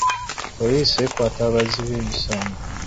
Poliisi ekwata abazzi b'emisango.